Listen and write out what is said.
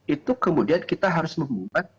itu kemudian kita harus membuat